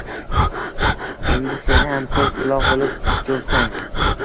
Endi sen ham ko‘z-quloq bo‘lib jursang